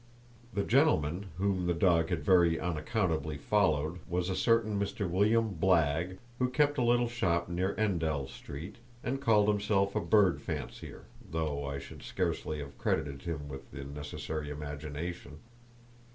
The gentleman whom the dog had very unaccountably followed was a certain Mr. William Blagg, who kept a little shop near Endell Street, and called himself a bird fancier, though I should scarcely have credited him with the necessary imagination.